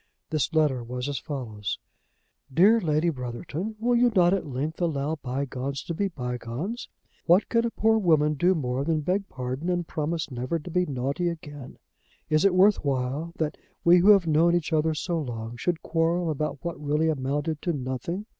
This letter was as follows; "DEAR LADY BROTHERTON, Will you not at length allow bygones to be bygones? What can a poor woman do more than beg pardon and promise never to be naughty again. Is it worth while that we who have known each other so long should quarrel about what really amounted to nothing?